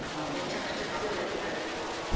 めちゃくちゃ強いやつならいますよ。